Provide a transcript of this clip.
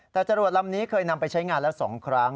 แต่จรวดลำนี้เคยนำไปใช้งานแล้ว๒ครั้ง